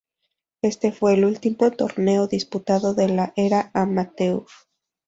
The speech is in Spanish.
Este fue el último torneo disputado de la "era amateur".